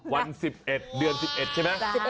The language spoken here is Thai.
วัน๑๑เดือน๑๑ใช่ไหม